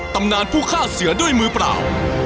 ตำนานผู้ฆ่าเสือด้วยมือเปล่า